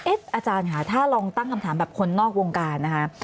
อาจารย์ค่ะถ้าลองตั้งคำถามแบบคนนอกวงการนะคะ